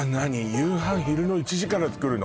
夕飯昼の１時から作るの？